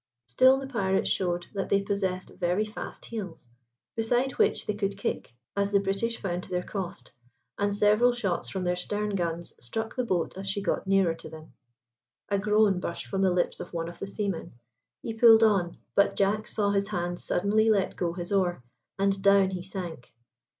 Still the pirates showed that they possessed very fast heels, besides which they could kick, as the British found to their cost, and several shots from their stern guns struck the boat as she got nearer to them. A groan burst from the lips of one of the seamen. He pulled on; but Jack saw his hands suddenly let go his oar, and down he sank.